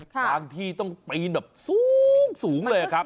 บางที่ต้องปีนแบบสูงเลยครับ